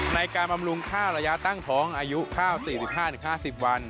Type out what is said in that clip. บำรุงข้าวระยะตั้งท้องอายุข้าว๔๕๕๐วัน